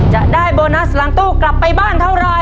จะได้โบนัสหลังตู้กลับไปบ้านเท่าไร